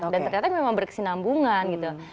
dan ternyata memang berkesinambungan gitu